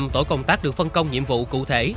năm tổ công tác được phân công nhiệm vụ cụ thể